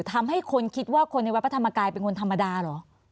ทำให้คนคิดว่าคนในวัดพระธรรมกายเป็นคนธรรมดาเหรอ